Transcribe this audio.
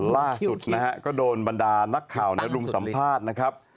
ล่าสุดนะฮะก็โดนบรรดานักข่าวรุมสัมภาษณ์นะครับ